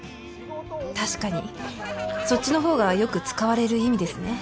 確かにそっちのほうがよく使われる意味ですね。